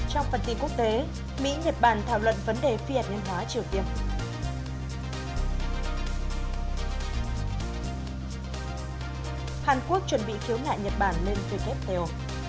hàn quốc chuẩn bị khiếu ngại nhật bản lên phía kép theo